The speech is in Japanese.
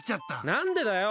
何でだよ！